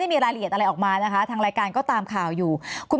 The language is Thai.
มีรายละเอียดอะไรออกมานะคะทางรายการก็ตามข่าวอยู่คุณ